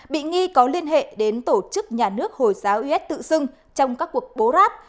bị nghi có liên hệ đến tổ chức nhà nước hồi giáo is tự xưng trong các cuộc bố ráp